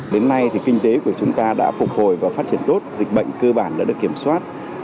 đến nay thì kinh tế của chúng ta đã phục hồi và phát triển tốt dịch bệnh cơ bản đã được kiểm soát